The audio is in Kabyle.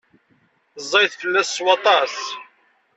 Ẓẓayet fell-as s waṭas.